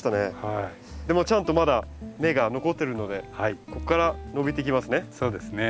でもちゃんとまだ芽が残ってるのでここから伸びていきますね。